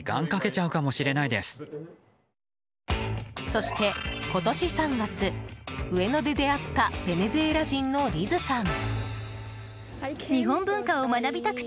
そして、今年３月上野で出会ったベネズエラ人のリズさん。